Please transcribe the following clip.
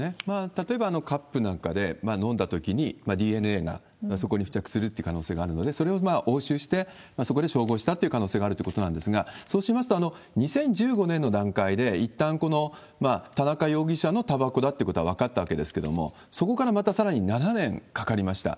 例えばカップなんかで飲んだときにＤＮＡがそこに付着するという可能性があるので、それを押収して、そこで照合したという可能性があるということなんですが、そうしますと、２０１５年の段階で、いったん、この田中容疑者のたばこだということは分かったわけですけれども、そこからまたさらに７年かかりました。